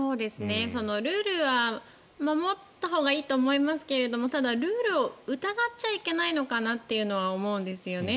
ルールは守ったほうがいいと思いますがただ、ルールを疑っちゃいけないのかなというのは思うんですよね。